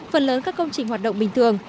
phần lớn các công trình hoạt động bình thường